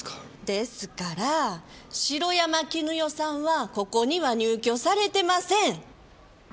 ですから城山絹代さんはここには入居されてません！